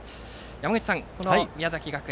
山口さん、宮崎学園